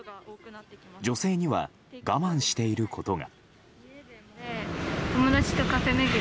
女性には我慢していることが。